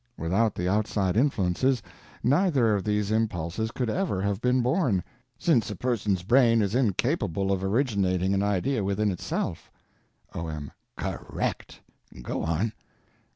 Without the outside influences, neither of these impulses could ever have been born, since a person's brain is incapable or originating an idea within itself. O.M. Correct. Go on.